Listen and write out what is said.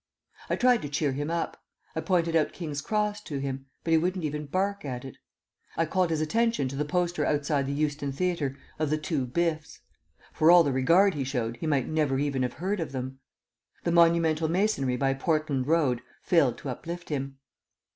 I tried to cheer him up. I pointed out King's Cross to him; he wouldn't even bark at it. I called his attention to the poster outside the Euston Theatre of The Two Biffs; for all the regard he showed he might never even have heard of them. The monumental masonry by Portland Road failed to uplift him.